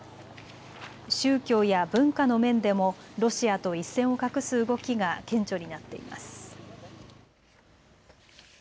宗教や文化の面でもロシアと一線を画す動きが顕著になっています。